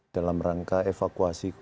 dalam rangka evakuasi